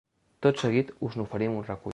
Tot seguit us n’oferim un recull.